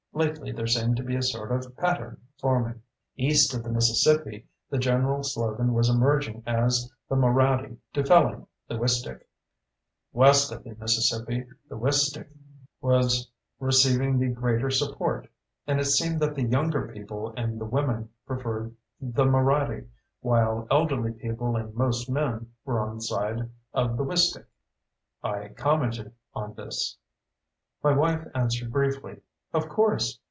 Lately, there seemed to be a sort of pattern forming. East of the Mississippi, the general slogan was emerging as the Moraddy dufelling the Wistick. West of the Mississippi, the Wistick was receiving the greater support. And it seemed that the younger people and the women preferred the Moraddy, while elderly people and most men were on the side of the Wistick. I commented on this. My wife answered briefly, "Of course.